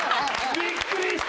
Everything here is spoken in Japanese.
びっくりした。